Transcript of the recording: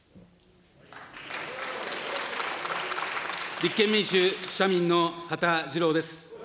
立憲民主・社民の羽田次郎です。